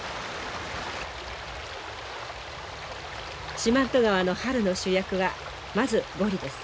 四万十川の春の主役はまずゴリです。